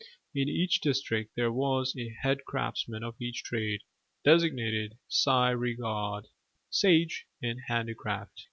In each district there was a head craftsman of each trade, designated sai re cérd [see re caird], i.e., "sage in handicraft."